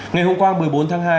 ngày hôm qua một mươi bốn tháng hai